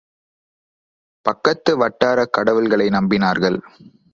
பக்கத்து வட்டாரக் கடவுள்களை நம்பினார்கள்.